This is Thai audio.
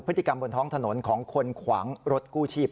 พฤติกรรมบนท้องถนนของคนขวางรถกู้ชีพ